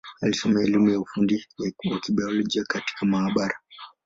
Alisomea elimu ya ufundi wa Kibiolojia katika maabara.